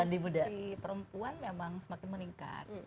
di perempuan memang semakin meningkat